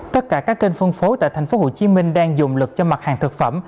tất cả các kênh phân phối tại tp hcm đang dùng lực cho mặt hàng thực phẩm